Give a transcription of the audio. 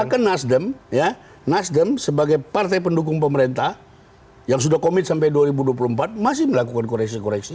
bahkan nasdem ya nasdem sebagai partai pendukung pemerintah yang sudah komit sampai dua ribu dua puluh empat masih melakukan koreksi koreksi